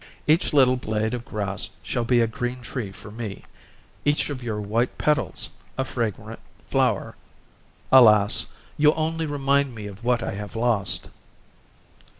Each little blade of grass shall be a green tree for me, each of your white petals a fragrant flower. Alas! you only remind me of what I have lost."